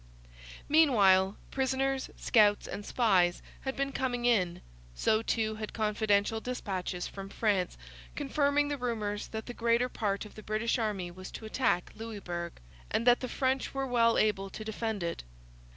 Meanwhile, prisoners, scouts, and spies had been coming in; so too had confidential dispatches from France confirming the rumours that the greater part of the British army was to attack Louisbourg, and that the French were well able to defend it.